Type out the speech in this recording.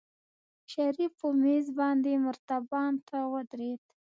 شريف په مېز باندې مرتبان ته ودرېد.